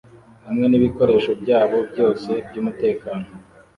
hamwe nibikoresho byabo byose byumutekano